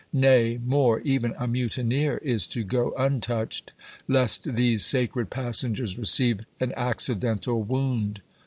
Nay, more : even a mutineer is to go untouched, lest these sacred passengers receive an accidental wound.